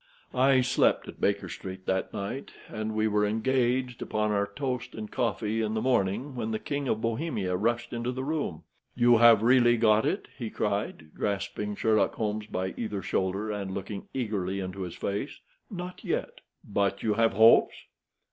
III I slept at Baker Street that night, and we were engaged upon our toast and coffee in the morning, when the King of Bohemia rushed into the room. "You have really got it?" he cried, grasping Sherlock Holmes by either shoulder, and looking eagerly into his face. "Not yet." "But you have hopes?"